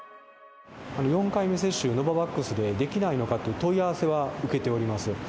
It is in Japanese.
４回目接種をノババックスでできないのかという、問い合わせは受けております。